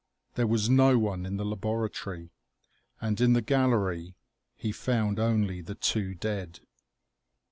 There was no one in the laboratory, and in the gallery he found only the two dead.